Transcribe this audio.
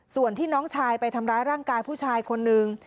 ส่วนที่น้องชายไปทำร้ายร่างกายผู้ชายคนนึง